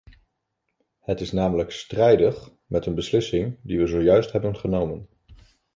Het is namelijk strijdig met een beslissing die we zojuist hebben genomen.